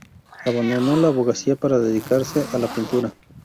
Abandonó la abogacía para dedicarse a la pintura.